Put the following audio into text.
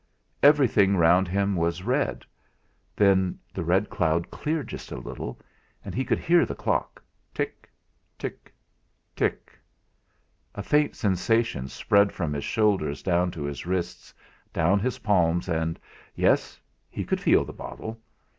Everything round him was red. Then the red cloud cleared just a little, and he could hear the clock "tick tick tick"; a faint sensation spread from his shoulders down to his wrists, down his palms; and yes he could feel the bottle!